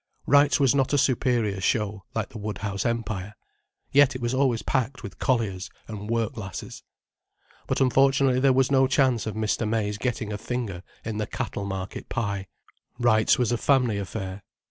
Wright's was not a superior show, like the Woodhouse Empire. Yet it was always packed with colliers and work lasses. But unfortunately there was no chance of Mr. May's getting a finger in the Cattle Market pie. Wright's was a family affair.